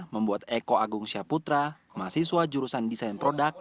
membuat eko agung syaputra mahasiswa jurusan desain produk